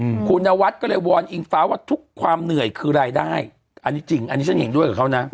อืมคุณนวัดก็เลยวอนอิงฟ้าว่าทุกความเหนื่อยคือรายได้อันนี้จริงอันนี้ฉันเห็นด้วยกับเขานะ